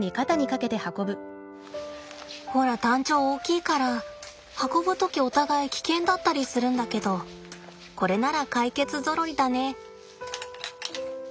ほらタンチョウ大きいから運ぶ時お互い危険だったりするんだけどこれならかいけつゾロリだね。